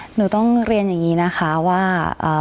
หนูต้องเรียนอย่างนี้นะคะว่า